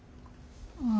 ああ。